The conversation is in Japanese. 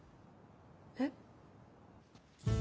えっ？